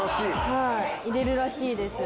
はい入れるらしいです。